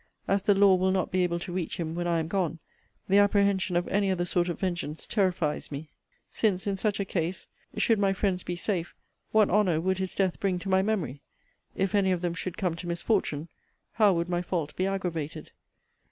As the law will not be able to reach him when I am gone, the apprehension of any other sort of vengeance terrifies me; since, in such a case, should my friends be safe, what honour would his death bring to my memory? If any of them should come to misfortune, how would my fault be aggravated!